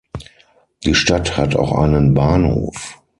Die Stadt hat auch einen Bahnhof.